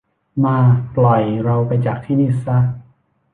มา ปล่อยเราไปจากที่นี่ซะ